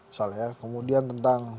misalnya ya kemudian tentang